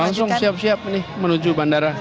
langsung siap siap nih menuju bandara